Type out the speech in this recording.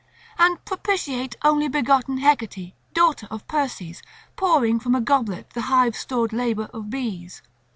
And propitiate only begotten Hecate, daughter of Perses, pouring from a goblet the hive stored labour of bees.